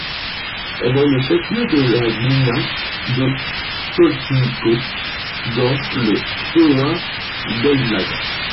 Elle est le chef-lieu de la gmina de Tolkmicko, dans le powiat d'Elbląg.